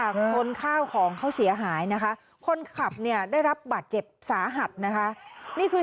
คนข้าวของเขาเสียหายนะคะคนขับเนี่ยได้รับบาดเจ็บสาหัสนะคะนี่คือ